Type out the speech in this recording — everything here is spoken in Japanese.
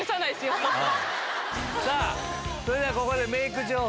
さあ、それではここでメーク